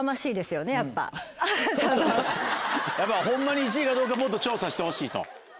やっぱホンマに１位かどうかもっと調査してほしいと。